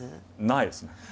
ないですね。